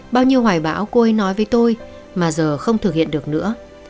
bao nhiêu hoài bão cô ấy nói với tôi mà giờ không thực hiện được nữa